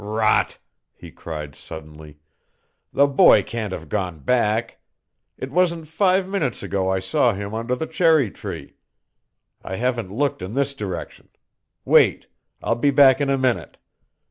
"Rot!" he cried suddenly. "The boy can't have gone back. It wasn't five minutes ago I saw him under the cherry tree. I haven't looked in this direction. Wait! I'll be back in a minute!"